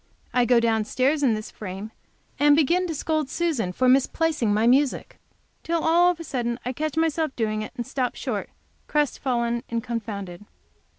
I go down stairs in this frame, and begin to scold Susan for misplacing my music, till all of a sudden I catch myself doing it, and stop short, crestfallen and confounded.